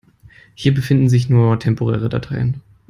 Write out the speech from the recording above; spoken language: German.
Hier befinden sich nur temporäre Dateien.